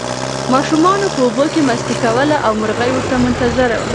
ماشومانو په اوبو کې مستي کوله او مرغۍ ورته منتظره وه.